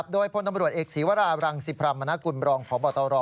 โดยพลตำรวจเอกศีวราบรังสิพรรมนกุลบรองพบตร